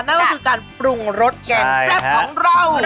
นั่นก็คือการปรุงรสแกงแซ่บของเรา